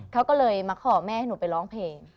เขาก็เลยมาขอแม่ให้หนูไปร้องเพลง